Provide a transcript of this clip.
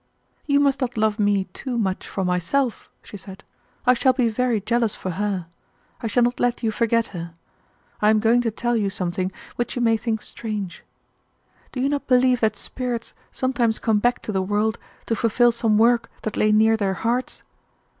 "You must not love me too much for myself," she said. "I shall be very jealous for her. I shall not let you forget her. I am going to tell you something which you may think strange. Do you not believe that spirits sometimes come back to the world to fulfill some work that lay near their hearts?